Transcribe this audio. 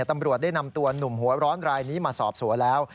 ตำรวจได้นำตัวหนุ่มหัวร้อนรายนี้มาสอบสวนแล้ว